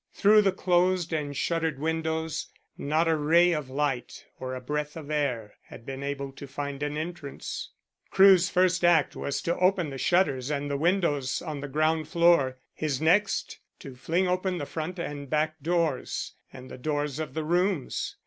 Through the closed and shuttered windows not a ray of light or a breath of air had been able to find an entrance. Crewe's first act was to open the shutters and the windows on the ground floor; his next to fling open the front and back doors, and the doors of the rooms.